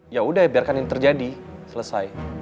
yaudah biarkan ini terjadi selesai